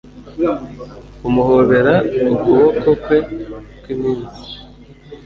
Kumuhobera ukuboko kwe kwimitsi